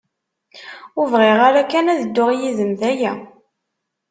Ur bɣiɣ ara kan ad dduɣ yid-m, d aya.